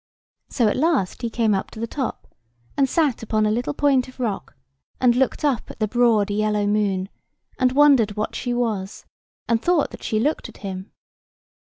So at last he came up to the top, and sat upon a little point of rock, and looked up at the broad yellow moon, and wondered what she was, and thought that she looked at him.